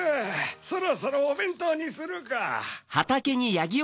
そろそろおべんとうにするか。